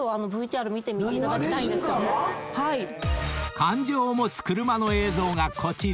［感情を持つ車の映像がこちら］